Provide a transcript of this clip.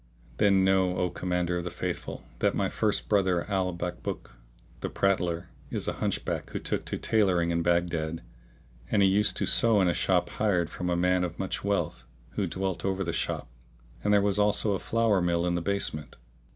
Know then, O Commander of the Faithful, that my first brother, Al Bakbuk, the Prattler, is a Hunchback who took to tailoring in Baghdad, and he used to sew in a shop hired from a man of much wealth, who dwelt over the shop,[FN#635] and there was also a flour mill in the basement.